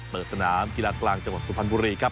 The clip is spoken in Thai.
สนามกีฬากลางจังหวัดสุพรรณบุรีครับ